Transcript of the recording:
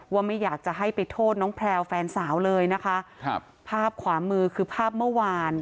ว่าไม่อยากจะให้ไปโทษน้องแพลวแฟนสาวเลยนะคะครับภาพขวามือคือภาพเมื่อวาน